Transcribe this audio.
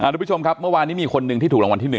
ทุกผู้ชมครับเมื่อวานนี้มีคนหนึ่งที่ถูกรางวัลที่๑